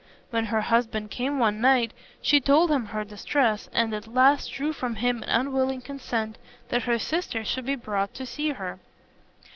When her husband came one night, she told him her distress, and at last drew from him an unwilling consent that her sisters should be brought to see her.